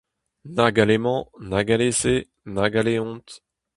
Nag alemañ, nag alese, nag alehont.